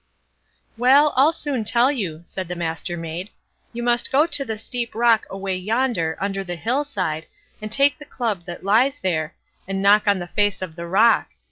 "Well, I'll soon tell you", said the Mastermaid; "you must go to the steep rock away yonder, under the hill side, and take the club that lies there, and knock on the face of the rock.